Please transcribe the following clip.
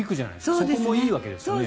そこもいいんですかね。